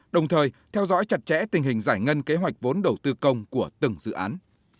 đồng thời theo dõi chặt chẽ tình hình giải ngân kế hoạch vốn đầu tư công của từng dự án